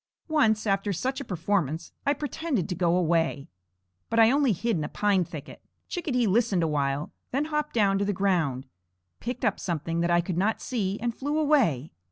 Once after such a performance I pretended to go away; but I only hid in a pine thicket. Chickadee listened awhile, then hopped down to the ground, picked up something that I could not see, and flew away.